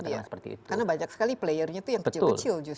banyak sekali playernya itu yang kecil kecil justru